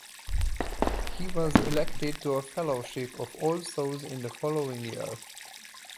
He was elected to a fellowship of All Souls in the following year.